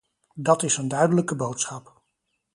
Dat is een duidelijke boodschap.